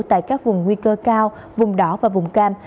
tại các vùng nguy cơ cao vùng đỏ và vùng cam